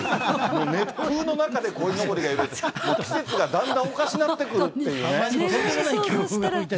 熱風の中でこいのぼりが揺れるのか、季節がだんだんおかしなってくるというね。